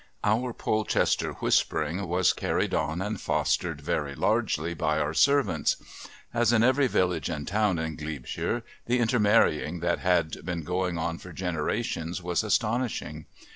Our Polchester Whispering was carried on and fostered very largely by our servants. As in every village and town in Glebeshire, the intermarrying that had been going on for generations was astonishing.